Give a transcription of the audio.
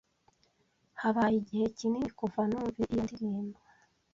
Habaye igihe kinini kuva numva iyo ndirimbo.